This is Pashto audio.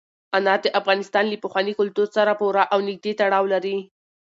انار د افغانستان له پخواني کلتور سره پوره او نږدې تړاو لري.